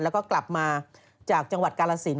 แล้วก็กลับมาจากจังหวัดกาลสิน